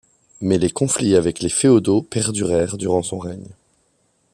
Mais les conflits avec les féodaux perdurèrent durant son règne.